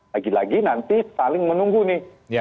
lagi lagi nanti saling menunggu nih